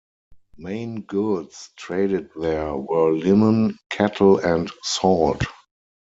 Main goods traded there were linen, cattle and salt.